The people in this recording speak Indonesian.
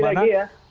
sekali lagi ya